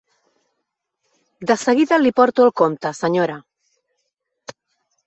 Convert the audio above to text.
De seguida li porto el compte, senyora.